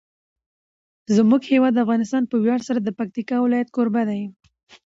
زموږ هیواد افغانستان په ویاړ سره د پکتیکا ولایت کوربه دی.